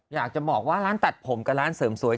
อยากจะบอกว่าร้านตัดผมกับร้านเสริมสวย